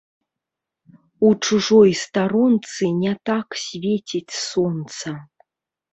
У чужой старонцы не так свеціць сонца